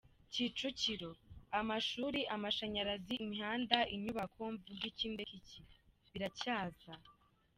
Kicukiro: Amashuri, amashanyarazi, imihanda, inyubako, mvuge iki ndeke iki? Biracyaza.